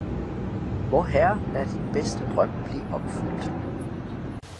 Vorherre lader din bedste drøm blive opfyldt